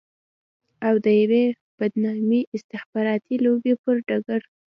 او د يوې بدنامې استخباراتي لوبې پر ډګر.